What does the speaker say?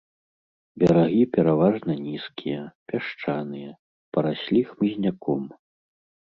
Берагі пераважна нізкія, пясчаныя, параслі хмызняком.